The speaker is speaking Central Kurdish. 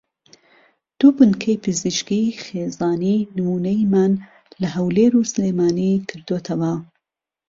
دوو بنکهی پزیشکیی خێزانیی نموونهییمان له ههولێر و سلێمانی کردۆتهوه